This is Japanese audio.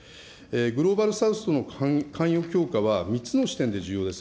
グローバル・サウスとの関与強化は、３つの視点で重要です。